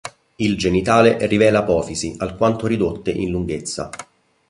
Il genitale rivela apofisi alquanto ridotte in lunghezza.